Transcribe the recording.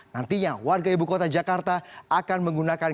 nantinya warga ibu kota jakarta akan menggunakan